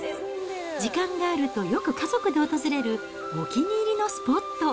時間があるとよく家族で訪れるお気に入りのスポット。